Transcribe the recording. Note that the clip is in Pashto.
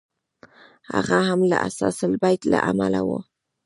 هغه هم له اثاث البیت له امله و.